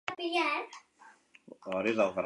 Entonces, estudió arquitectura.